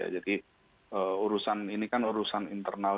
jadi ini kan urusan internal